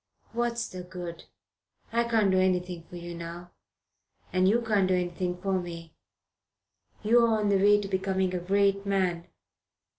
"What's the good? I can't do anything for you now, and you can't do anything for me. You're on the way to becoming a great man.